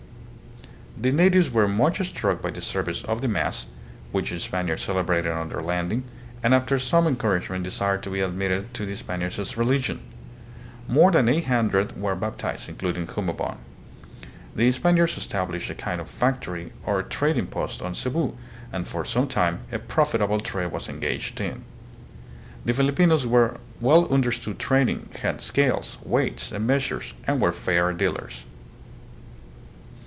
The natives were much struck by the service of the mass, which the Spaniards celebrated on their landing, and after some encouragement desired to be admitted to the Spaniards' religion. More than eight hundred were baptized, including Humabon. The Spaniards established a kind of " factory " or trading post on Cebu, and for some time a profitable trade was engaged in. The Filipinos well understood trading, had scales, weights, and measures, and were fair dealers.